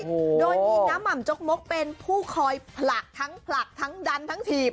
โอ้โหโดยมีน้ำห่ำจกมกเป็นผู้คอยผลักทั้งผลักทั้งดันทั้งถีบ